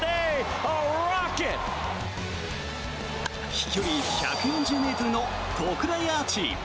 飛距離１４０ｍの特大アーチ。